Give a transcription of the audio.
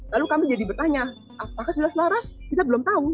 lalu kami jadi bertanya apakah sudah selaras kita belum tahu